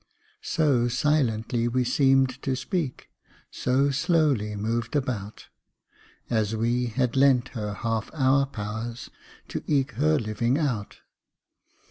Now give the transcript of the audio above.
So silently we seem'd to speak, So slowly moved about, As we had lent her half our powers To eke her living out.